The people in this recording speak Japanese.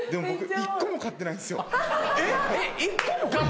１個も買ってないんすよ。